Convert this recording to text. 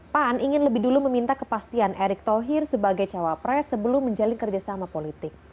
pan ingin lebih dulu meminta kepastian erick thohir sebagai cawapres sebelum menjalin kerjasama politik